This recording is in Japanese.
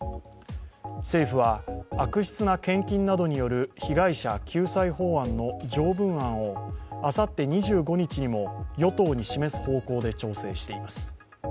政府は悪質な献金などによる被害者救済法案の条文案をあさって２５日にも与党に示す方向で調整しています。